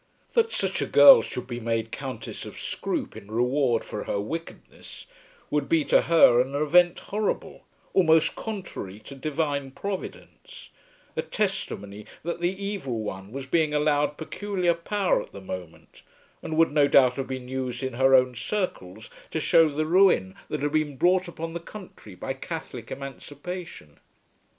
That such a girl should be made Countess of Scroope in reward for her wickedness would be to her an event horrible, almost contrary to Divine Providence, a testimony that the Evil One was being allowed peculiar power at the moment, and would no doubt have been used in her own circles to show the ruin that had been brought upon the country by Catholic emancipation.